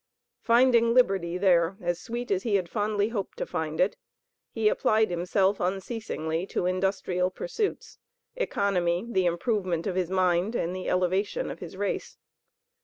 Finding liberty there as sweet as he had fondly hoped to find it, he applied himself unceasingly to industrial pursuits, economy, the improvement of his mind and the elevation of his race.